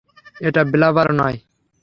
এটা ব্লাবার নয়!